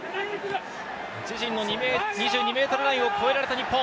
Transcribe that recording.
自陣の２２ｍラインを越えられた日本。